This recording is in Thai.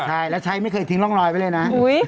ใช่แล้วใช้ไม่เคยทิ้งร่องรอยไว้เลยนะ